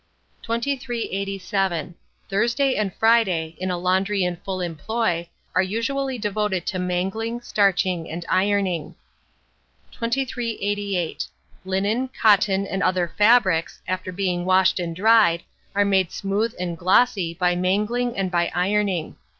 2387. Thursday and Friday, in a laundry in full employ, are usually devoted to mangling, starching, and ironing. 2388. Linen, cotton, and other fabrics, after being washed and dried, are made smooth and glossy by mangling and by ironing.